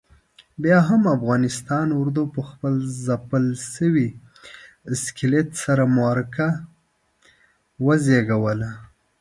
بیا هم افغانستان اردو پخپل ځپل شوي اسکلیت سره معرکه وزېږوله.